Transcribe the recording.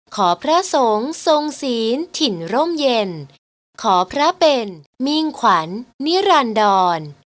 พระสงฆ์ทรงศีลถิ่นร่มเย็นขอพระเป็นมิ่งขวัญนิรันดร